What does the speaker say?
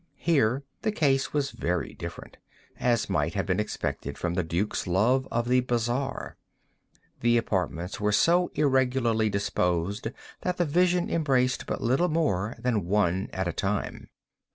Here the case was very different; as might have been expected from the duke's love of the bizarre. The apartments were so irregularly disposed that the vision embraced but little more than one at a time.